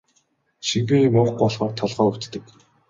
Шингэн юм уухгүй болохоор толгой өвдөг.